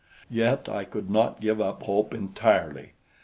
Yet I could not give up hope entirely.